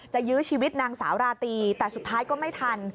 ยื้อชีวิตนางสาวราตรีแต่สุดท้ายก็ไม่ทัน